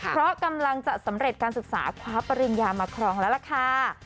เพราะกำลังจะสำเร็จการศึกษาคว้าปริญญามาครองแล้วล่ะค่ะ